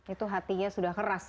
itu hatinya sudah keras